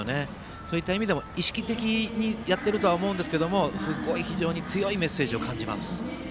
そういった意味でも意識的にやっているとは思うんですけどすごい非常に強いメッセージを感じます。